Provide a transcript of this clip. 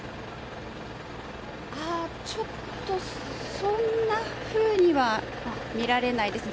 ちょっとそんなふうにはみられないですね。